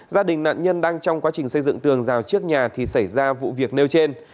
gia đình nạn nhân đang trong quá trình xây dựng tường rào trước nhà thì xảy ra vụ việc nêu trên